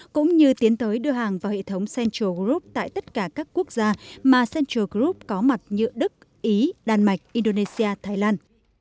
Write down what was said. cũng như tiến tới đưa hàng vào hệ thống central group tại tất cả các quốc gia mà central group có mặt như đức ý đan mạch indonesia thái lan